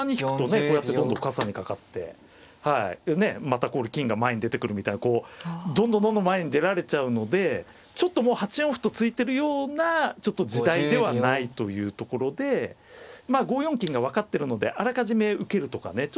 また金が前に出てくるみたいなこうどんどんどんどん前に出られちゃうのでちょっともう８四歩と突いてるようなちょっと時代ではないというところでまあ５四金が分かってるのであらかじめ受けるとかね